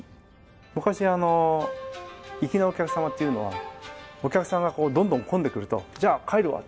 昔あの粋なお客様っていうのはお客さんがどんどん混んでくると「じゃあ帰るわ！」